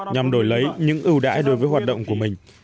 nhằm đổi lấy những ưu đãi đối với hoạt động của mình